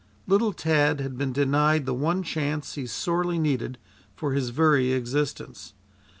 Little Tad had been denied the one chance he sorely needed for his very existence.